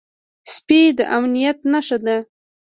سپي د امنيت نښه ده.